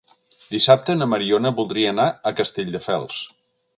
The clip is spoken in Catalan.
Dissabte na Mariona voldria anar a Castelldefels.